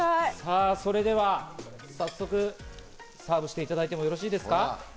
では早速サーブしていただいてよろしいですか。